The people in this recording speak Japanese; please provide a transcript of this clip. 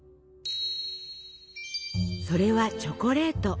それはチョコレート。